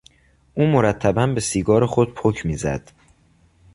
او مرتبا به سیگار خود پک میزد.